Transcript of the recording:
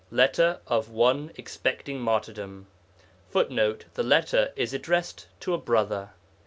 LETTER OF ONE EXPECTING MARTYRDOM [Footnote: The letter is addressed to a brother.